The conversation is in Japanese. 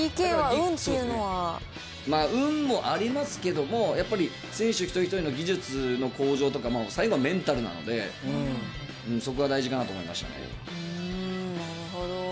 運もありますけども、やっぱり選手一人一人の技術の向上とか、最後はメンタルなので、なるほど。